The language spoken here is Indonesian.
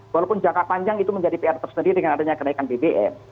walaupun jangka panjang itu menjadi pr tersendiri dengan adanya kenaikan bbm